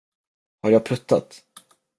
Har jag pruttat?